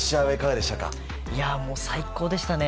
最高でしたね。